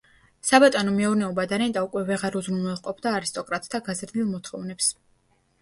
საბატონო მეურნეობა და რენტა უკვე ვეღარ უზრუნველყოფდა არისტოკრატთა გაზრდილ მოთხოვნებს.